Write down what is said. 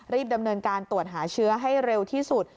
ดำเนินการตรวจหาเชื้อให้เร็วที่สุด